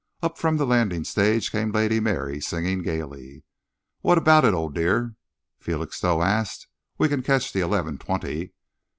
Up from the landing stage came Lady Mary, singing gaily. "What about it, old dear?" Felixstowe asked. "We can catch the eleven twenty."